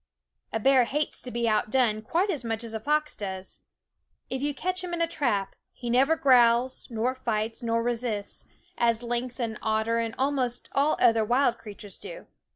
A bear hates to be outdone quite as much as a fox does. If you catch him in a trap, he never growls nor fights nor resists, as lynx and otter and almost all other wild creatures do.